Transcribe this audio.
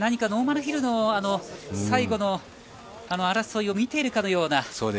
ノーマルヒルの最後の争いを見ているかのような。